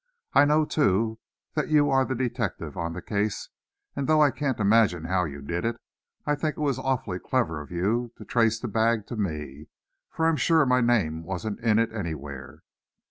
I know, too, that you are the detective on the case, and though I can't imagine how you did it, I think it was awfully clever of you to trace the bag to me, for I'm sure my name wasn't in it anywhere.